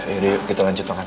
yuk kita lanjut makan